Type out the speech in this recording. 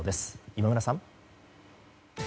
今村さん。